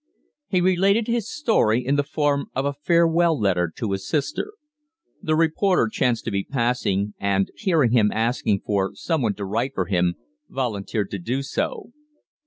He related his story in the form of a farewell letter to his sister. The reporter chanced to be passing, and, hearing him asking for some one to write for him, volunteered to do so.